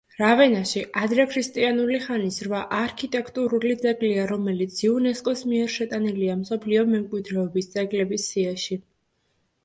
რავენაში ადრექრისტიანული ხანის რვა არქიტექტურული ძეგლია, რომელიც იუნესკოს მიერ შეტანილია მსოფლიო მემკვიდრეობის ძეგლების სიაში.